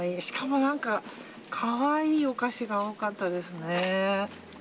しかも、可愛いお菓子が多かったですね。